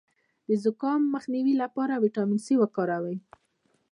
د زکام د مخنیوي لپاره ویټامین سي وکاروئ